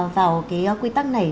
vào cái quy tắc này